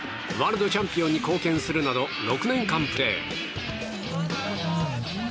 ワールドチャンピオンに貢献するなど６年間プレー。